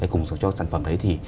cùng cho sản phẩm đấy thì